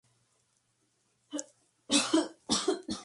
Las hernias eran comunes y con frecuencia les causaban la muerte.